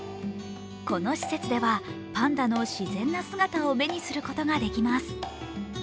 この施設ではパンダの自然な姿を目にすることができます。